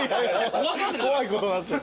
怖いことになっちゃう。